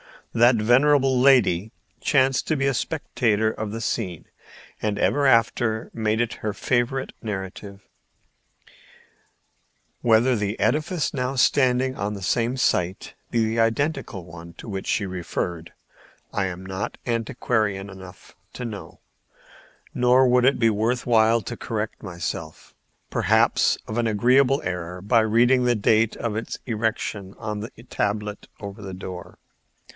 That venerable lady chanced to be a spectator of the scene, and ever after made it her favorite narrative. Whether the edifice now standing on the same site be the identical one to which she referred I am not antiquarian enough to know, nor would it be worth while to correct myself, perhaps, of an agreeable error by reading the date of its erection on the tablet over the door.